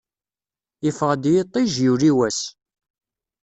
Yeffeɣ-d yiṭij, yuli wass.